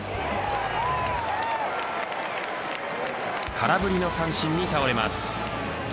空振りの三振に倒れます。